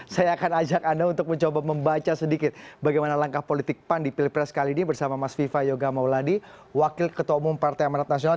saya akan ajak anda untuk mencoba membaca sedikit bagaimana langkah politik pan di pilpres kali ini bersama mas viva yoga mauladi wakil ketua umum partai amarat nasional